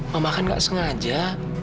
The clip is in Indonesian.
mama kan gak sengaja